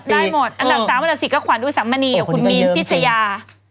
อันดับ๓อันดับ๔ก็ควรดูสามบรรณีคุณมีนพิชยา